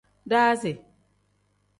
Daazi.